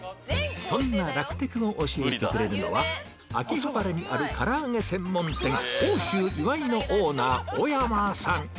そんな楽テクを教えてくれるのは秋葉原にあるからあげ専門店「奥州いわい」のオーナー小山さん